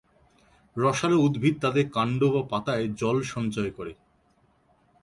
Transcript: রসালো উদ্ভিদ তাদের কাণ্ড বা পাতায় জল সঞ্চয় করে।